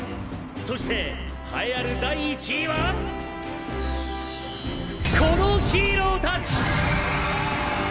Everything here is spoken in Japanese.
そして栄えある第１位は⁉このヒーローたち！！